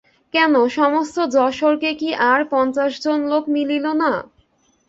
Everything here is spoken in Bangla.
কেন, সমস্ত যশােহরে কি আর পঞ্চাশ জন লােক মিলিল না?